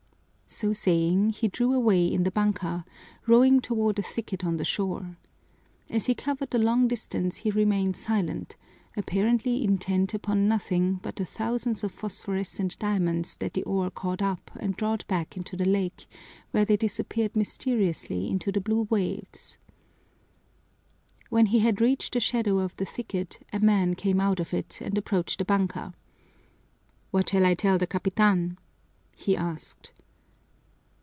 So saying, he drew away in the banka, rowing toward a thicket on the shore. As he covered the long distance he remained silent, apparently intent upon nothing but the thousands of phosphorescent diamonds that the oar caught up and dropped back into the lake, where they disappeared mysteriously into the blue waves. When he had reached the shadow of the thicket a man came out of it and approached the banka. "What shall I tell the capitan?" he asked.